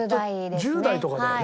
１０代とかだよね。